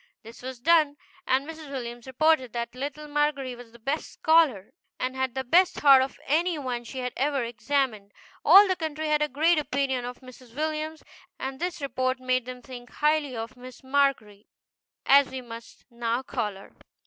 This was done, and Mrs. Williams reported that little Margery was the best scholar, and had the best heart of any one she had ever examined. All the country had a great opinion of Mrs. Williams, and this report made them think highly of Miss MARGERY, as we must now call her.